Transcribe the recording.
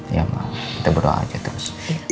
iya ma kita berdoa aja terus